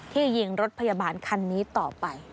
ยิงรถพยาบาลคันนี้ต่อไป